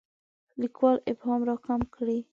لیکوال ابهام راکم کړي.